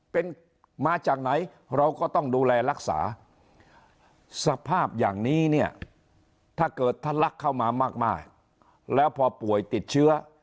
เป็นมาจากไหนเราก็ต้องดูแลรักษาสภาพอย่างนี้เนี่ยถ้าเกิดท่านรักเข้ามามากแล้วพอป่วยติดเชื้อ